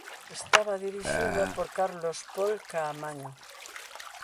Estaba dirixida por Carlos Pol Caamaño.